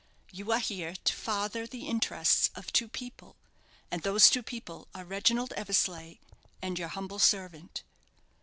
You are here to farther the interests of two people, and those two people are Reginald Eversleigh and your humble servant."